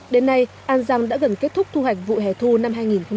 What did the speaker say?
đến nay an giang đã gần kết thúc thu hoạch vụ hẻ thu năm hai nghìn hai mươi